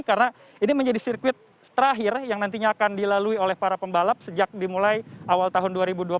karena ini menjadi sirkuit terakhir yang nantinya akan dilalui oleh para pembalap sejak dimulai awal tahun dua ribu dua puluh satu